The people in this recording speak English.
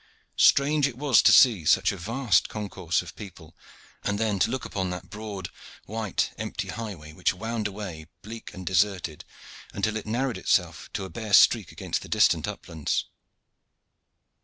Strange it was to see such a vast concourse of people, and then to look upon that broad, white, empty highway which wound away, bleak and deserted, until it narrowed itself to a bare streak against the distant uplands.